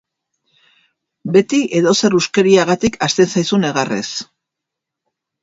Beti edozer huskeriagatik hasten zaizu negarrez.